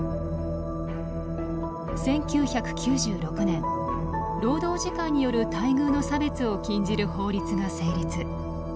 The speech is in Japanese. １９９６年労働時間による待遇の差別を禁じる法律が成立。